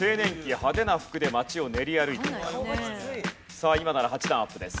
さあ今なら８段アップです。